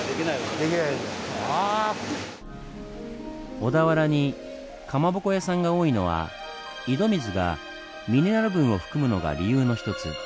小田原にかまぼこ屋さんが多いのは井戸水がミネラル分を含むのが理由の一つ。